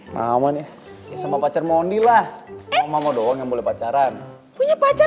hai nah sama pacar mondi lah sama sama doang yang boleh pacaran punya pacar